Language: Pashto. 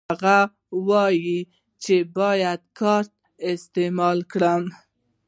هغه وویل چې باید کارت استعمال کړم.